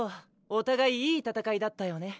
おたがいいい戦いだったよね？